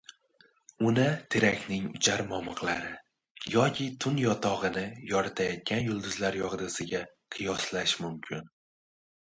uni terakning uchar momiqlari yoki tun yotogʻini yoritayotgan yulduzlar yogʻdusiga qiyoslash mumkin